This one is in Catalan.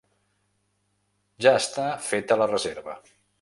Ja està feta la reserva.